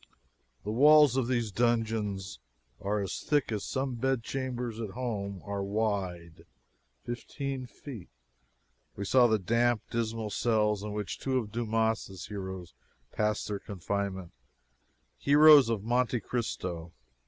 The walls of these dungeons are as thick as some bed chambers at home are wide fifteen feet. We saw the damp, dismal cells in which two of Dumas' heroes passed their confinement heroes of "Monte Cristo."